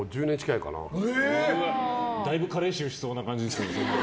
だいぶ加齢臭しそうな感じが。